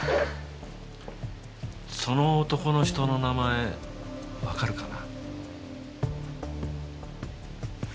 その男の人の名前わかるかな？